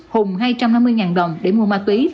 hùng hai trăm hai mươi đồng để mua ma túy